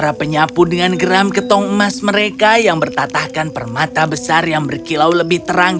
tapi mungkin akan menjjok elu cuma karena ada senang experimenting